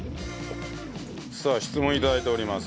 さあ質問頂いております。